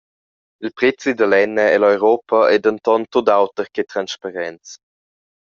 Il prezi da lenna ell’Europa ei denton tut auter che transparents.